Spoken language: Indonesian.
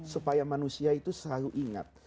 supaya manusia itu selalu ingat